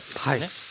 はい。